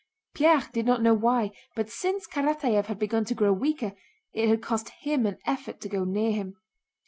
Pierre did not know why, but since Karatáev had begun to grow weaker it had cost him an effort to go near him.